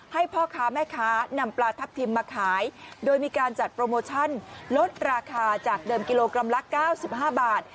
ให้พ่อค้าแม่ค้านำปลาทับทิมมาขายโดยมีการจัดโปรโมชั่นลดราคาจากเดิมกิโลกรัมละ๙๕บาท